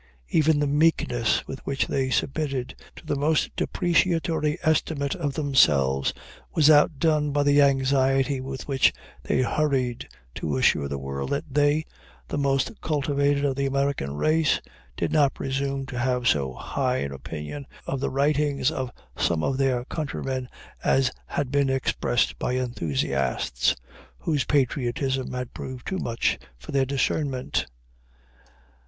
Even the meekness with which they submitted to the most depreciatory estimate of themselves was outdone by the anxiety with which they hurried to assure the world that they, the most cultivated of the American race, did not presume to have so high an opinion of the writings of some one of their countrymen as had been expressed by enthusiasts, whose patriotism had proved too much for their discernment.